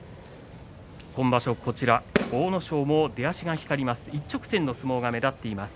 今場所は、阿武咲も出足が光ります。